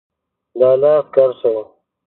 د الله عسکر شئ!